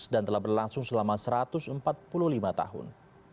dan telah berlangsung selama satu ratus empat puluh lima tahun